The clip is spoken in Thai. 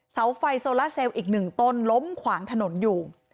เสาไฟโซลาเซลล์อีกหนึ่งต้นล้มขวางถนนอยู่